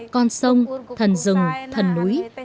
con sông thần rừng thần núi